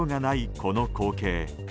この光景。